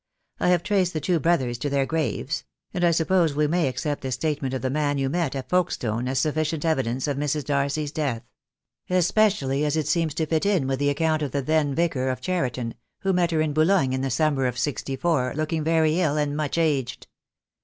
I have traced the two brothers to their graves; and I suppose we may accept the statement of the man you met at Folkestone as sufficient evidence of Mrs. Darcy's death; especially 2 66 THE DAY WILL CCrtrE. as it seems to fit in with the account of the then Vicar of Cheriton, who met her in Boulogne in the summer of '64 looking very ill and much aged."